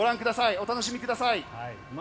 お楽しみください。